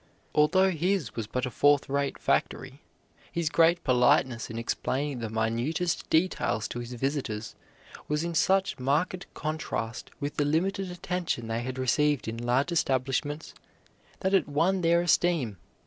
Although his was but a fourth rate factory, his great politeness in explaining the minutest details to his visitors was in such marked contrast with the limited attention they had received in large establishments that it won their esteem.